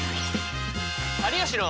「有吉の」。